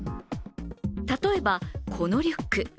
例えば、このリュック。